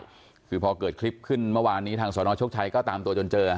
คือพอเกิดคลิปขึ้นเมื่อวานนี้ทางสนโชคชัยก็ตามตัวจนเจอ